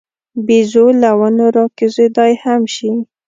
بیزو له ونو راکوزېدای هم شي.